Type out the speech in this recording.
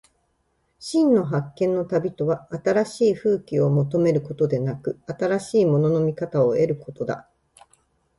真の発見の旅とは、新しい風景を求めることでなく、新しいものの見方を得ることだ。